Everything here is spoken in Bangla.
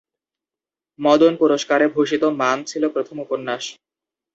মদন পুরস্কারে ভূষিত "মান" ছিল প্রথম উপন্যাস।